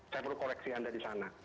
saya perlu koreksi anda di sana